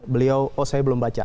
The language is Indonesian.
beliau oh saya belum baca